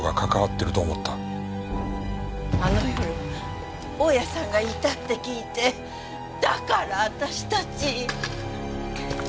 あの夜大家さんがいたって聞いてだから私たち！